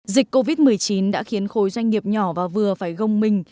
dịch covid một mươi chín đã khiến khối doanh nghiệp nhỏ và vừa phải gông mình